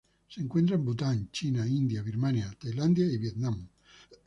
Se encuentra en Bután, China, India, Birmania, Tailandia y Vietnam.